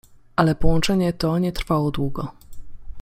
Ale połączenie to nie trwało długo.